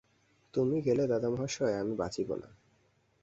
তুমি গেলে দাদামহাশয়, আমি বাঁচিব না।